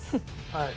はい。